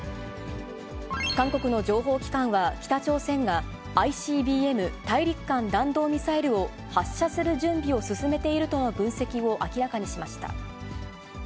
韓国の情報機関は、北朝鮮が、ＩＣＢＭ・大陸間弾道ミサイルを発射する準備を進めているとの分析を明らかにしました。